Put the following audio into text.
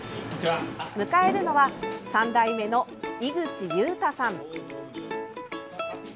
迎えるのは３代目の井口雄太さん。